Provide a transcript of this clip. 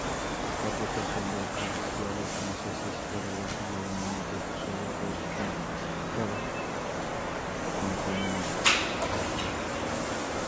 La proporción de oficiales franceses era baja, normalmente sólo dos en cada compañía.